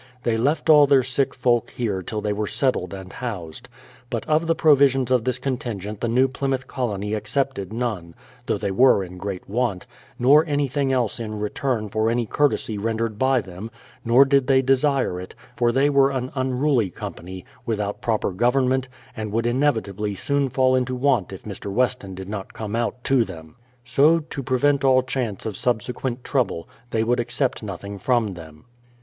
They left all their sick folk here till they were settled and housed. But of the pro visions of this contingent the New Plymouth Colony ac cepted none, — though they were in great want, — nor any thing else in return for any courtesy rendered by them ; nor did they desire it, for they were an unruly company, without proper government, and would inevitably soon fall into want if Mr. Weston did not come out to them. So, to prevent all chance of subsequent trouble, they would accept nothing from them.